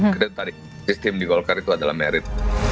kedatangan sistem di golkar itu adalah merit